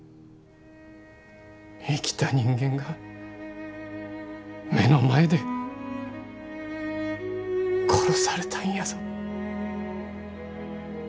生きた人間が目の前で殺されたんやぞ。